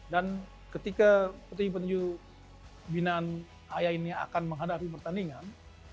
dan ketika petunjuk petunjuk binaan aya ini akan menghadapi pertandingan